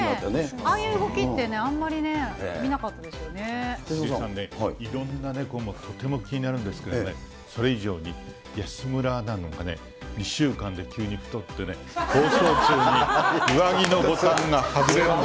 ああいう動きってね、あんまいろいろなネコもとても気になるんですけれどもね、それ以上に安村アナのほうがね、１週間で急に太ってね、放送中に上着のボタンが外れるんで。